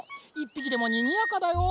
１ぴきでもにぎやかだよ。